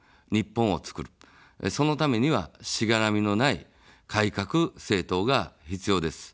そのためには、しがらみのない改革政党が必要です。